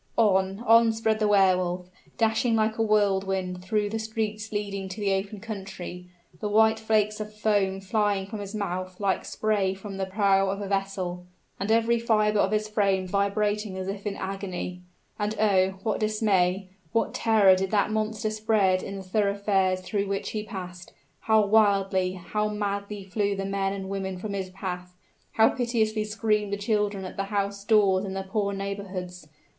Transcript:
On on sped the Wehr Wolf, dashing like a whirlwind through the streets leading to the open country, the white flakes of foam flying from his mouth like spray from the prow of a vessel, and every fiber of his frame vibrating as if in agony. And oh! what dismay what terror did that monster spread in the thoroughfares through which he passed; how wildly, how madly flew the men and women from his path; how piteously screamed the children at the house doors in the poor neighborhoods!